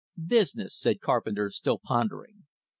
"Business," said Carpenter, still pondering.